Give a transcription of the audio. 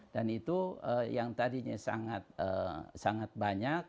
dan itu yang tadinya sangat banyak